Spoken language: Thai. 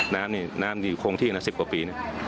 น้ำนี่น้ำอยู่คงที่นาน๑๐กว่าปี